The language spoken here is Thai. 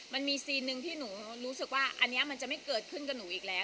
มันมีซีนหนึ่งที่หนูรู้สึกว่าอันนี้มันจะไม่เกิดขึ้นกับหนูอีกแล้ว